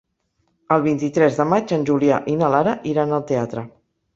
El vint-i-tres de maig en Julià i na Lara iran al teatre.